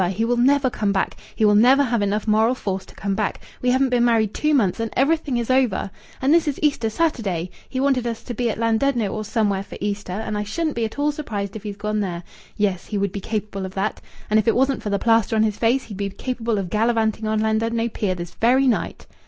He will never come back. He will never have enough moral force to come back. We haven't been married two months, and everything is over! And this is Easter Saturday! He wanted us to be at Llandudno or somewhere for Easter, and I shouldn't be at all surprised if he's gone there. Yes, he would be capable of that. And if it wasn't for the plaster on his face, he'd be capable of gallivanting on Llandudno pier this very night!"